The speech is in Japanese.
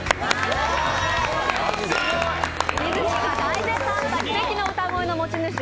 ディズニーが大絶賛した奇跡の歌声の持ち主